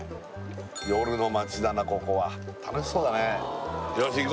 夜の街だなここは楽しそうだねよしい